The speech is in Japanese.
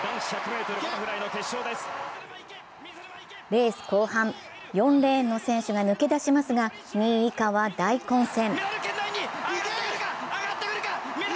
レース後半、４レーンの選手が抜け出しますが２位以下は大混戦。